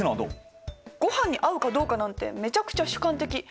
ごはんに合うかどうかなんてめちゃくちゃ主観的。